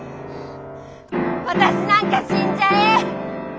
私なんか死んじゃえ！